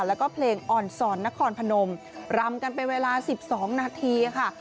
แล้วก็เพลงอ่อนสอนนครพนมรำกันเป็นเวลา๑๒นาทีค่ะ